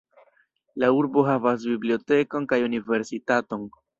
La urbo havas bibliotekon kaj universitaton.